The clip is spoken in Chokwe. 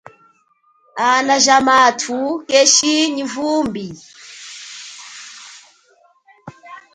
Ana ja mathu keshi nyi vumbi.